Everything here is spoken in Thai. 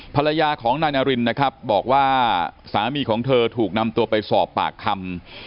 ภรรยาของนายนารินนะครับบอกว่าสามีของเธอถูกนำตัวไปสอบปากคำ